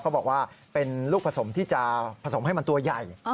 เขาบอกว่าเป็นลูกผสมที่จะผสมให้มันตัวใหญ่